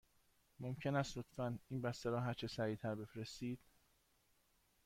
ممکن است لطفاً این بسته را هرچه سریع تر بفرستید؟